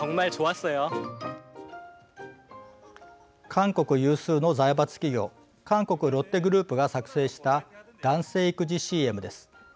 韓国有数の財閥企業「韓国ロッテグループ」が作成した男性育児ＣＭです。